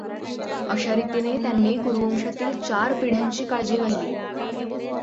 अशा रीतीने त्यांनी कुरुवंशातील चार पिढ्यांची काळजी वाहिली.